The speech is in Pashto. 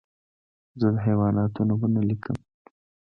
زه د حیواناتو نومونه لیکم.